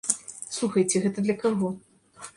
Слухайце, гэта для каго?